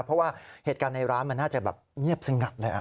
เพราะว่าเหตุการณ์ในร้านมันน่าจะแบบเงียบสงัดเลย